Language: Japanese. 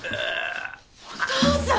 お父さん！